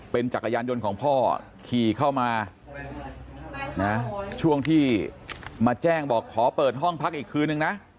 เป็นจักรยานยนต์ของพ่อขี่เข้ามานะช่วงที่มาแจ้งบอกขอเปิดห้องพักอีกคืนนึงนะ